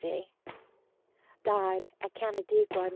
"Died, at Canandaigua, N.